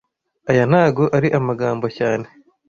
Aya ntago ari amagambo cyane